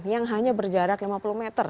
yang hanya berjarak lima puluh meter